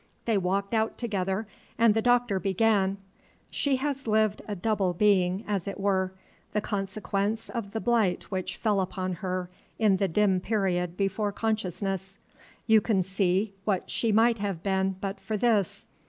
They walked out together, and the Doctor began: "She has lived a double being, as it were, the consequence of the blight which fell upon her in the dim period before consciousness. You can see what she might have been but for this.